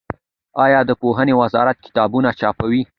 آیا د پوهنې وزارت کتابونه چاپوي؟